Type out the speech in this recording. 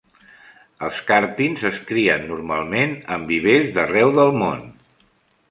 Els carpins es crien normalment en vivers d'arreu del món.